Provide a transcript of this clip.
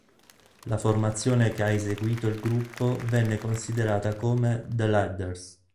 La formazione che ha eseguito il gruppo venne considerata come "The Ladders".